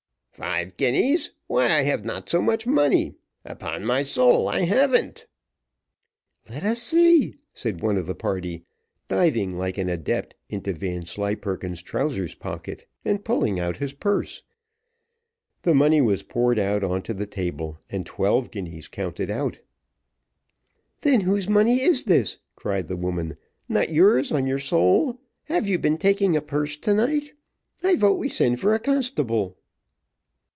"Five guineas! why I have not so much money. Upon my soul I hav'n't." "Let us see," said one of the party, diving like an adept into Vanslyperken's trousers pocket, and pulling out his purse. The money was poured out on the table, and twelve guineas counted out. "Then whose money is this?" cried the woman; "not yours on your soul; have you been taking a purse to night? I vote we sends for a constable."